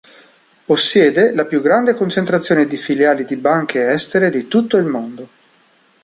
Possiede la più grande concentrazione di filiali di banche estere di tutto il mondo.